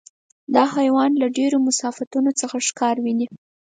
دا حیوان له ډېرو مسافتونو څخه ښکار ویني.